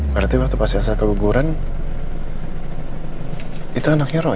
berarti waktu pas saya keguguran itu anaknya roy